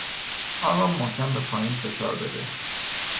آن را محکم به پایین فشار بده!